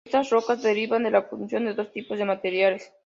Estas rocas derivan de la fusión de dos tipos de materiales.